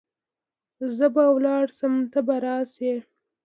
زه به ولاړ سم ته به راسي .